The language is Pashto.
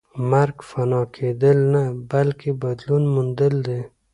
مرګ فنا کېدل نه بلکې بدلون موندل دي